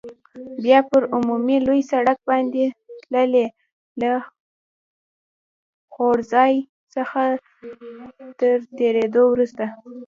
بیا پر عمومي لوی سړک باندې تللې، له خوړنځای څخه تر تېرېدو وروسته.